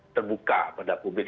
terbuka pada publik